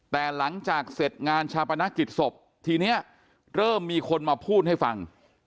แต่หลังจากเสร็จงานชาปนกิจศพทีนี้เริ่มมีคนมาพูดให้ฟัง